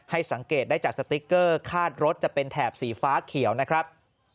สังเกตได้จากสติ๊กเกอร์คาดรถจะเป็นแถบสีฟ้าเขียวนะครับ